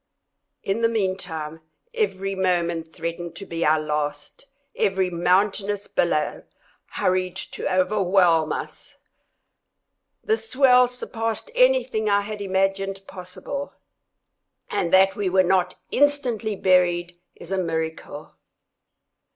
In the meantime every moment threatened to be our last—every mountainous billow hurried to overwhelm us. The swell surpassed anything I had imagined possible, and that we were not instantly buried is a miracle.